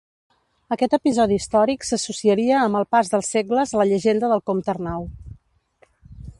Aquest episodi històric s'associaria amb el pas dels segles a la llegenda del Comte Arnau.